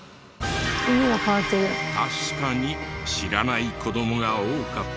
確かに知らない子どもが多かった。